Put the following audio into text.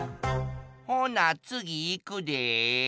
ほなつぎいくで。